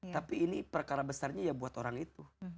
tapi ini perkara besarnya ya buat orang itu